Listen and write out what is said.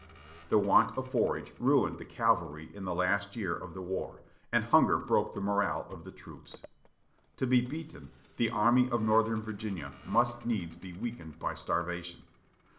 The want of forage ruined the cavalry in the last year of the war, and hunger broke the morale of the troops. To be beaten, the Army of Northern Virginia must needs be weakened by starvation.